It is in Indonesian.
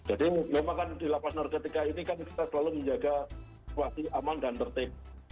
jadi memang kan di lapas narkotika ini kan kita selalu menjaga situasi aman dan tertib